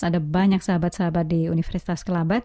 ada banyak sahabat sahabat di universitas kelabat